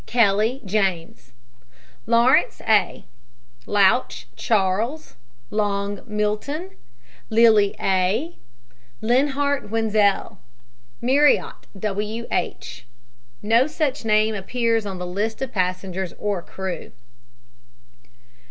KELLY, JAMES. LAURENCE, A. LOUCH, CHARLES. LONG, MILTON C. LILLY, A. LINHART, WENZELL. MARRIORTT, W. H. (no such name appears on the list of passengers or crew).